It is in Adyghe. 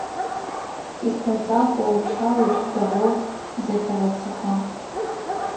Тиспортзал хъоопщау ыкӏи дэгъоу зэтегъэпсыхьагъ.